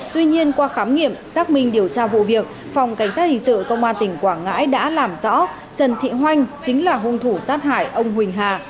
tuy nhiên qua khám nghiệm xác minh điều tra vụ việc phòng cảnh sát hình sự công an tỉnh quảng ngãi đã làm rõ trần thị hoanh chính là hung thủ sát hại ông huỳnh hà